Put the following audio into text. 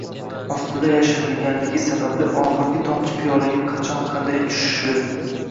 ostida yashiringanligi sababli, oxirgi tomchi piyolaga qachon, qanday tushishi